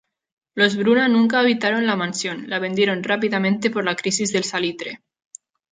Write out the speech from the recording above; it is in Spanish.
Los Bruna nunca habitaron la mansión, la vendieron rápidamente por la crisis del salitre.